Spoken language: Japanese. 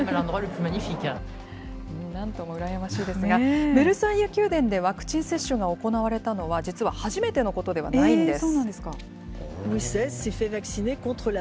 なんとも羨ましいですが、ベルサイユ宮殿でワクチン接種が行われたのは、実は初めてのことではないんです。